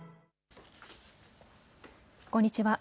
こんにちは。